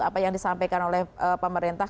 apa yang disampaikan oleh pemerintah